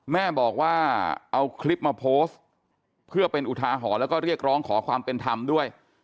แม่บอกว่าเอาคลิปมาโพสต์เพื่อเป็นอุทาหรณ์แล้วก็เรียกร้องขอความเป็นธรรมด้วย